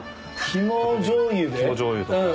肝じょうゆとか。